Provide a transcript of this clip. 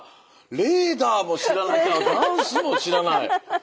レーダーも知らなきゃダンスも知らない。